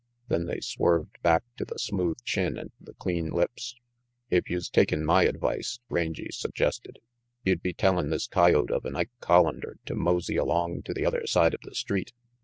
Then they swerved back to the smooth chin and the clean lips. "If youse takin' my advice," Rangy suggested, "you'd be tellin' this coyote of an Ike Collander to mosey along to the other side of the street.